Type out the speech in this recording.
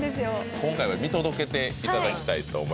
今回は見届けていただきたいと思います